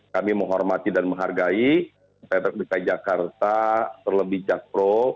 kami menghormati dan menghargai dprd jakarta terlebih jakpro